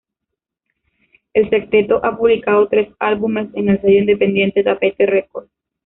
El sexteto ha publicado tres álbumes en el sello independiente Tapete Records.